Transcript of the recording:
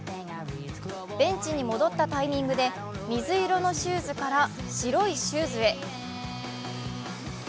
ベンチに戻ったタイミングで水色のシューズから白いシューズへ。